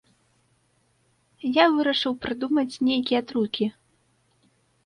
Я вырашыў прыдумаць нейкія трукі.